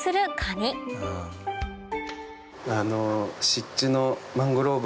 湿地の。